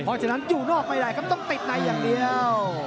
เพราะฉะนั้นอยู่นอกไม่ได้ครับต้องติดในอย่างเดียว